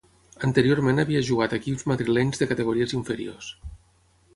Anteriorment havia jugat a equips madrilenys de categories inferiors.